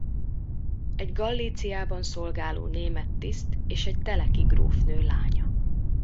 Egy Galíciában szolgáló német tiszt és egy Teleki grófnő lánya.